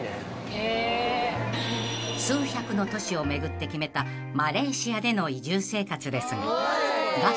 ［数百の都市を巡って決めたマレーシアでの移住生活ですが］